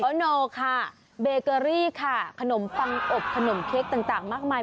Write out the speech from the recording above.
โนค่ะเบเกอรี่ค่ะขนมปังอบขนมเค้กต่างมากมาย